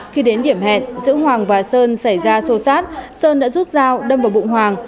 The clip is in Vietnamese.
khi đến điểm hẹn giữa hoàng và sơn xảy ra xô xát sơn đã rút dao đâm vào bụng hoàng